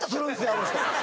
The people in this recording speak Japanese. あの人。